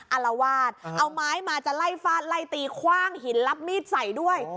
อารวาสเอาไม้มาจะไล่ฟาดไล่ตีคว่างหินรับมีดใส่ด้วย